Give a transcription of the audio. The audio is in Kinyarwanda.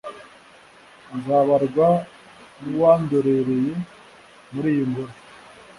nzabarwa n’uwandorereye muri iyi ngoro,